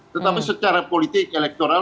tetapi secara politik elektoral